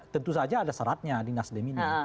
tentu saja ada syaratnya di nasdem ini